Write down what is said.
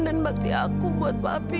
dan bakti aku buat papi